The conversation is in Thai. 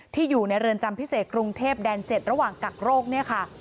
อยู่ในเรือนจำพิเศษกรุงเทพแดน๗ระหว่างกักโรคเนี่ยค่ะ